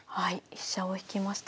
飛車を引きました。